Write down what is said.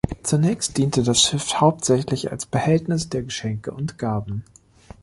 Zunächst diente das Schiff hauptsächlich als „Behältnis der Geschenke und Gaben“.